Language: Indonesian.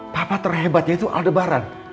papa terhebat yaitu aldebaran